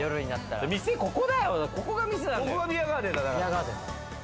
ここがビアガーデンだ。